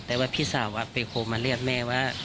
แต่ว่าพี่สาวไปโทรมาเรียกแม่ว่า